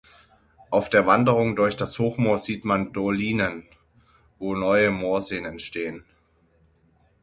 Auf der Wanderung durch das Hochmoor sieht man Dolinen, wo neue Moorseen entstehen.